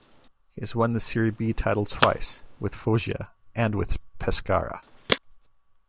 He has won the Serie B title twice, with Foggia and with Pescara.